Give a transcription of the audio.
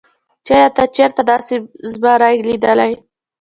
چې ايا تا چرته داسې زمرے ليدلے